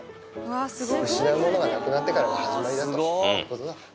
失うものがなくなってから始まりということだ。